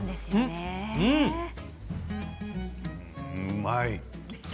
うまい！